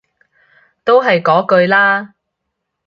都係嗰句啦